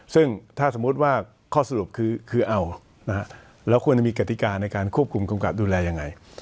ซึ่งถ้าสมมุติว่าข้อสรุปคือเอาแล้วควรจะมีกติกาในการควบคุมกำกับดูแลยังไง